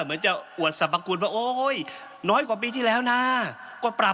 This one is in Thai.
เหมือนจะอวดสมควรว่า